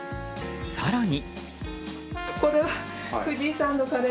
更に。